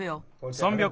３００